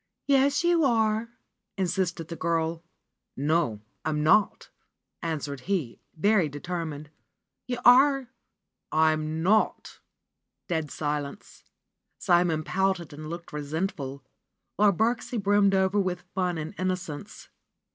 ^'Yes, you are insisted the girl. ^'No, I'm not !" answered he, very determined. ^^YouareP ^T'm not !" Dead silence. Simon pouted and looked resentful, while Birksie brimmed over with fun and innocence.